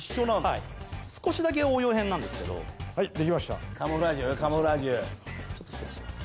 はい少しだけ応用編なんですけどはいできましたカムフラージュよカムフラージュちょっと失礼します